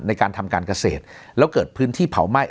ในการทำการเกษตรแล้วเกิดพื้นที่เผาไหม้